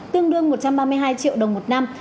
tương đương một trăm ba mươi hai triệu đồng một năm